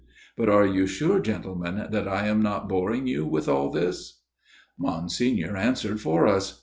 ... But are you sure, gentlemen, that I am not boring you with all this ?" Monsignor answered for us.